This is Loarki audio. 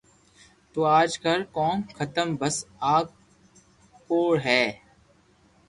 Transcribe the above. تو آج ڪر ڪوم ختم بس آ ڪروو ھي